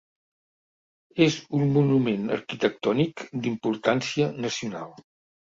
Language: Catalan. És un monument arquitectònic d'importància nacional.